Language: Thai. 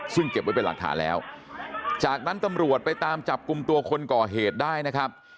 ซึ่งเก็บไว้เป็นหลักฐานแล้วจากนั้นตำรวจไปตามจับกลุ่มตัวคนก่อเหตุได้นะครับ